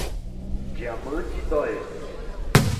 Diamante d'Oeste